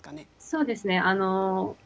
そうですね。